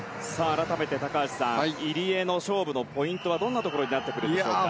改めて高橋さん入江の勝負のポイントはどんなところになってくるでしょうか。